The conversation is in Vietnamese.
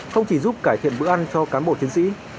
không chỉ giúp cải thiện bữa ăn cho cán bộ chiến sĩ